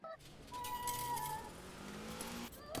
Mwenzangu na mie niko na ecta kumi ya mashamba